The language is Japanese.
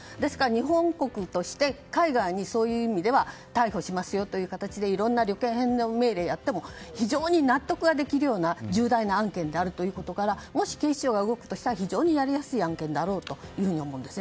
日本国として海外に、そういう意味では逮捕しますよということで旅券返納命令をやっても非常に納得ができるような重大な案件であるということからもし警視庁が動くとしたら非常にやりやすい案件だろうと思います。